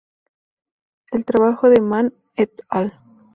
El trabajo de Mann "et al.